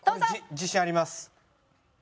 自信あります。